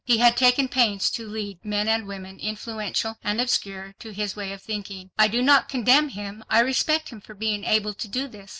He had taken pains to lead men and women influential and obscure—to his way of thinking. I do not condemn him—I respect him for being able to do this.